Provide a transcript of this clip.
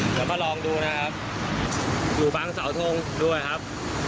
เดี๋ยวมาลองดูนะครับอยู่บางสาวทงด้วยครับ